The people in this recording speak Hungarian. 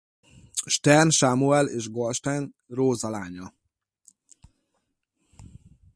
Stern Sámuel és Goldstein Róza lánya.